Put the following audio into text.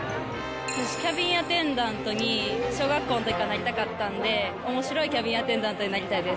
私、キャビンアテンダントに、小学校のときからなりたかったんで、おもしろいキャビンアテンダントになりたいです。